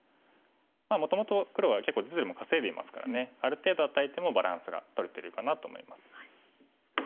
まあもともと黒は結構実利も稼いでいますからねある程度与えてもバランスがとれてるかなと思います。